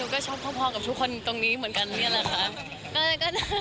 ก็ชอบพ่อกับทุกคนตรงนี้เหมือนกัน